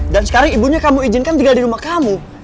dan sekarang ibunya kamu izinkan tinggal di rumah kamu